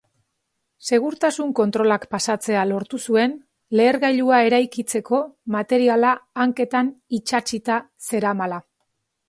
Segurtasun kontrolak pasatzea lortu zuen lehergailua eraikitzeko materiala hanketan itsatsita zeramala.